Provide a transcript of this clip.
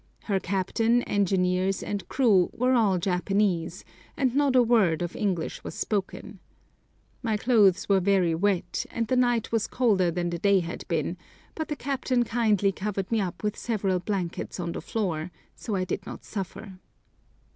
Her captain, engineers, and crew were all Japanese, and not a word of English was spoken. My clothes were very wet, and the night was colder than the day had been, but the captain kindly covered me up with several blankets on the floor, so I did not suffer.